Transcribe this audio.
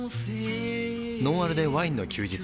「ノンアルでワインの休日」